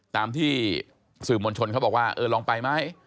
ตามที่สื่อมวลชนเขาบอกว่าเออลองไปไหม